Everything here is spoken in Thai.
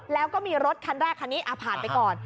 แล้วก็มีรถคันแรกคันนี้ผ่านไปก่อน